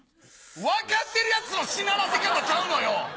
分かってるやつのしならせ方ちゃうのよ。